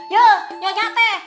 ya nyanya teh